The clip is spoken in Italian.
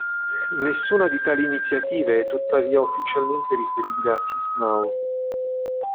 Nessuna di tali iniziative è tuttavia ufficialmente riferibile a Peace Now.